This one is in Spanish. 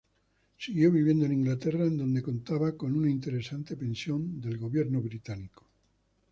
Siguió viviendo en Inglaterra, en donde contaba con una interesante pensión del gobierno británico.